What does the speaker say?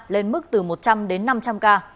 lên mức từ một trăm linh đến năm trăm linh ca